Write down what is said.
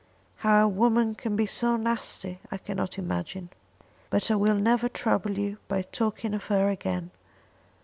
How a woman can be so nasty I cannot imagine. But I will never trouble you by talking of her again.